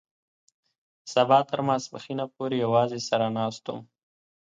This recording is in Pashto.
سبا تر ماسپښينه پورې يوازې سر ناست وم.